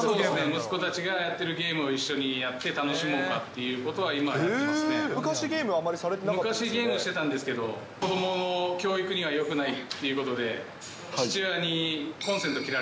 息子たちがやってるゲームを一緒にやって楽しもうかっていう昔、ゲームはあまりされてな昔ゲームしてたんですけど、子どもの教育にはよくないっていうことで、えー！